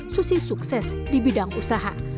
susi sukses di bidang usaha